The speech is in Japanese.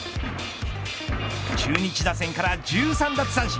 中日打線から１３奪三振。